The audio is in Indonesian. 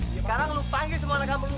sekarang lu panggil semua anak kamu